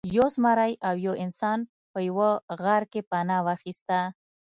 یو زمری او یو انسان په یوه غار کې پناه واخیسته.